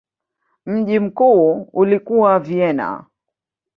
Mji mkuu ulikuwa Vienna.